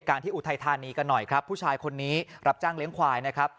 ที่อุทัยธานีกันหน่อยครับผู้ชายคนนี้รับจ้างเลี้ยงควายนะครับ